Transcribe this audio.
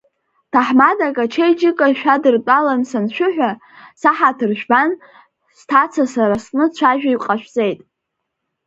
Ҭаҳмадак ачеиџьыка шәадыртәалан саншәыҳәа, саҳаҭыр жәбан, сҭаца сара сҟны дцәажәо иҟашәҵеит.